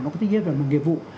nó có tính hiếp vào một nghiệp vụ